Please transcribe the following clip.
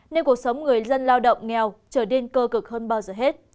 nên cuộc sống người dân lao động nghèo trở nên cơ cực hơn bao giờ hết